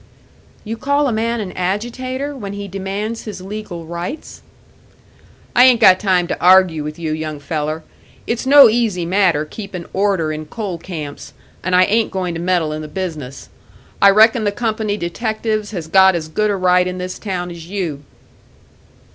"You call a man an agitator when he demands his legal rights?" "I ain't got time to argue with you, young feller. It's no easy matter keepin' order in coal camps, and I ain't going to meddle in the business. I reckon the company detectives has got as good a right in this town as you."